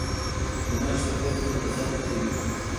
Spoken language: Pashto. غوماشې د کور د دننه فضا ککړوي.